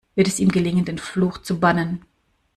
Wird es ihm gelingen, den Fluch zu bannen?